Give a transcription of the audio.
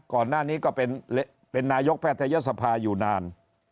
ก่อนหน้านี้ก็เป็นนายกแพทยศภาอยู่นาน